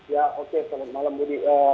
ya oke selamat malam budi